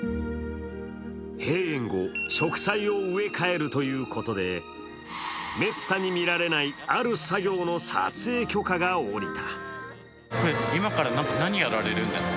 閉園後、植栽を植え替えるということで、めったに見られないある作業の撮影許可が下りた。